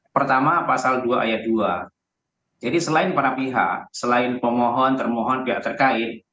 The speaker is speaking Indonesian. pertama pasal dua ayat dua jadi selain para pihak selain pemohon termohon pihak terkait